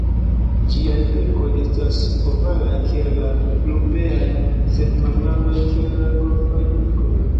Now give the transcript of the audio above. Ĝiaj pilkoj estas ovalaj kiel la rugbeaj, sed malgrandaj kiel la golfaj pilkoj.